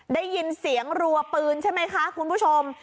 ได้ยินเสียงรัวปืนใช่ไหมคะคุณผู้ชม